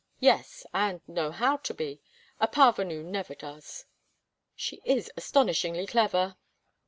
"Yes, and know how to be. A parvenu never does." "She is astonishingly clever."